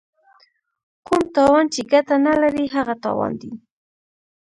کوم تاوان چې ګټه نه لري هغه تاوان دی.